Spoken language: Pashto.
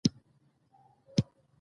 کرکټ د بازي ترڅنګ اخلاق هم روزي.